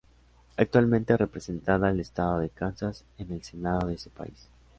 Actualmente representada al estado de Kansas en el Senado de ese país.